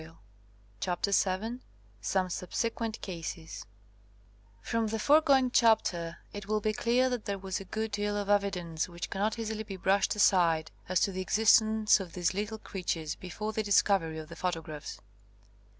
151 CHAPTER VII SOME SUBSEQUENT CASES From the foregoing chapter it will be clear that there was a good deal of evidence which cannot easily be brushed aside as to the existence of these little creatures before the discovery of the photographs.